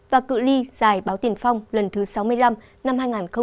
và cự li giải báo tiền phong lần thứ sáu mươi năm năm hai nghìn hai mươi